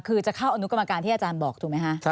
คือจะเข้าอนุกรรมการที่อาจารย์บอกถูกไหมคะ